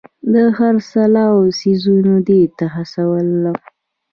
د خرڅلاو څیزونه دې ته هڅولم.